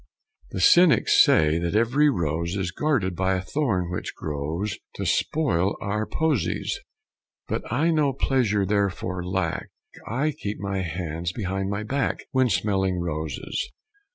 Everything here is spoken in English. The cynics say that every rose Is guarded by a thorn which grows To spoil our posies; But I no pleasure therefore lack; I keep my hands behind my back When smelling roses.